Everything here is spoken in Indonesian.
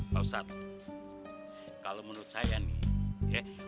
pak ustadz kalau menurut saya nih ya